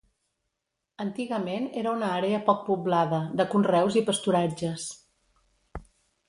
Antigament era una àrea poc poblada, de conreus i pasturatges.